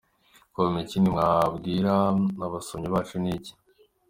com : ikindi mwabwira abasomyi bacu ni iki ?.